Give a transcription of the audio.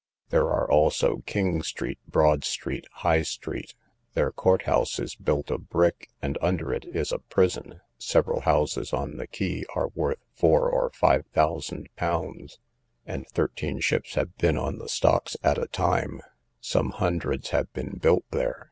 There are also King street, Broad street, High street. Their court house is built of brick, and under it is a prison: several houses on the quay are worth four or five thousand pounds; and thirteen ships have been on the stocks at a time: some hundreds have been built there.